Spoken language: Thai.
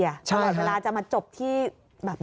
เวลาเวลาจะมาจบที่แบบนี้เหรอ